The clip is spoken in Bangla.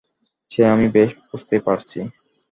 সে আমি বেশ বুঝতেই পারছি।